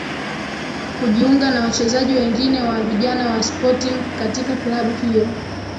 Kujiunga na wachezaji wengine wa vijana wa Sporting katika klabu hiyo